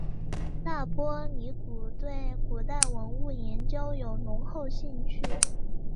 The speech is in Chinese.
那波尼德对古代文物研究有浓厚兴趣。